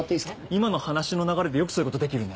今の話の流れでよくそういう事できるね。